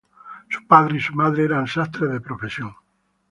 Su padre y su madre eran sastres de profesión.